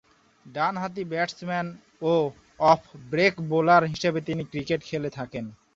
ডানহাতি ব্যাটসম্যান ও off break bowler হিসেবে তিনি ক্রিকেট খেলে থাকেন।